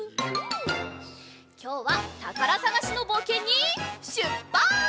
きょうはたからさがしのぼうけんにしゅっぱつ！